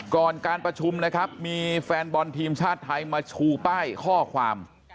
ก่อนการประชุมนะครับมีแฟนบอลทีมชาติไทยมาชูป้ายข้อความ